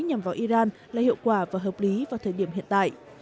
nhằm vào iran là hiệu quả và hợp lý vào thời điểm hiện tại